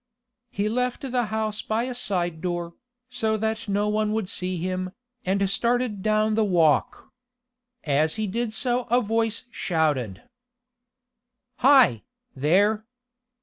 He left the house by a side door, so that no one would see him, and started down the walk. As he did so a voice shouted: "Hi, there!